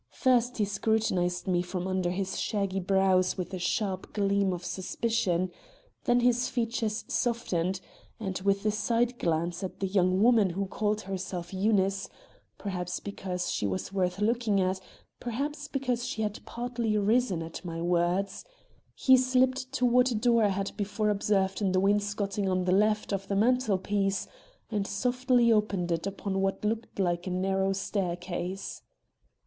First he scrutinized me from under his shaggy brows with a sharp gleam of suspicion; then his features softened and, with a side glance at the young woman who called herself Eunice, (perhaps, because she was worth looking at, perhaps because she had partly risen at my words), he slipped toward a door I had before observed in the wainscoting on the left of the mantelpiece, and softly opened it upon what looked like a narrow staircase.